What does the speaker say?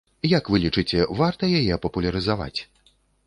Як вы лічыце, варта яе папулярызаваць?